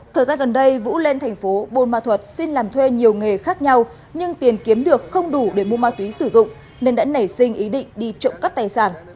thời gian gần đây vũ lên thành phố buôn ma thuật xin làm thuê nhiều nghề khác nhau nhưng tiền kiếm được không đủ để mua ma túy sử dụng nên đã nảy sinh ý định đi trộm cắp tài sản